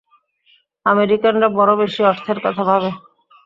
আমেরিকানরা বড় বেশী অর্থের কথা ভাবে।